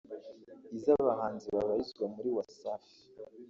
iz’abahanzi babarizwa muri Wasafi